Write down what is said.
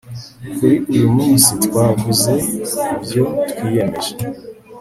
kuri uyumunsi twavuze ibyo twiyemeje